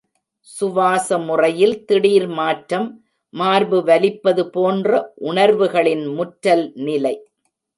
சுவாச முறையில் திடீர் மாற்றம், மார்பு வலிப்பது போன்ற உணர்வுகளின் முற்றல் நிலை.